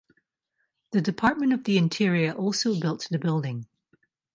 The Department of the Interior also built the building.